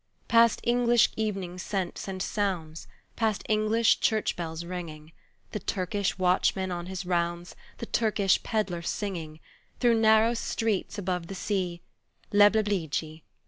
Past English evening scents and sounds, Past English church bells ringing, The Turkish watchman on his rounds, The Turkish pedlar singing Through narrow streets above the sea "Leblebidji!